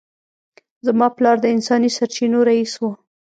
زما پلار د انساني سرچینو رییس و